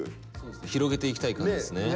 広げていきたい感じですね。